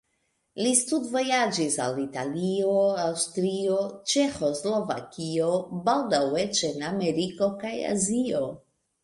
Li studvojaĝis al Italio, Aŭstrio, Ĉeĥoslovakio, baldaŭ eĉ en Ameriko kaj Azio.